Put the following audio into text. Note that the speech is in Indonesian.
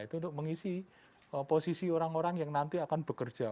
itu untuk mengisi posisi orang orang yang nanti akan bekerja